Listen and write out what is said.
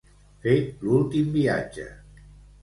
Fer l'últim viatge.